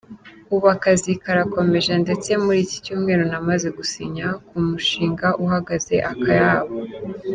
Ubu akazi karakomeje ndetse muri iki cyumweru namaze gusinya ku mushinga uhagaze akayabo.